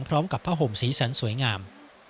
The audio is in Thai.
พร้อมกับผ้าห่มสีสันสวยงาม